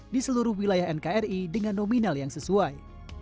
di seluruh wilayah nkri dengan nominal yang sesuai